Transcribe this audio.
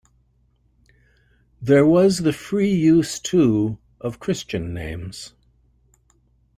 There was the free use, too, of Christian names.